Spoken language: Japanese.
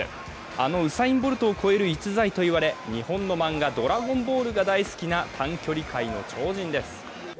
あのウサイン・ボルトを超える逸材と言われ、日本の漫画「ドラゴンボール」が大好きな短距離界の超人です。